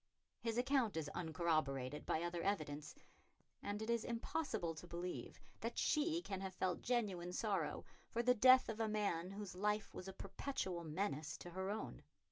His account is uncorroborated by other evidence, and it is impossible to believe that she can have felt genuine sorrow for the death of a man whose life was a perpetual menace to her own.